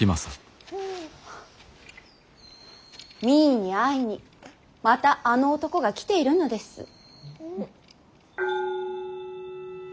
実衣に会いにまたあの男が来ているのです。